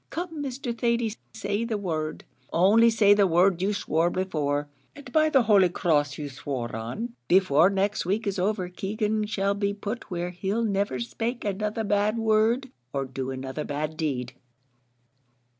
Come, Mr. Thady, say the word only say the word you swore before, and by the holy cross you swore on, before next week is over Keegan shall be put where he'll never spake another bad word, or do another bad deed."